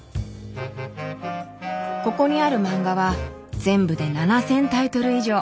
ここにあるマンガは全部で７，０００タイトル以上。